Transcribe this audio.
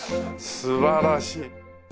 素晴らしい。